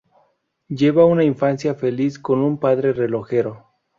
Lleva una infancia feliz con un padre relojero.